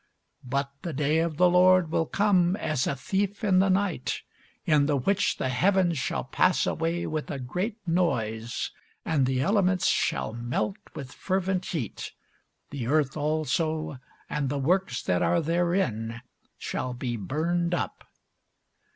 But the day of the Lord will come as a thief in the night; in the which the heavens shall pass away with a great noise, and the elements shall melt with fervent heat, the earth also and the works that are therein shall be burned up.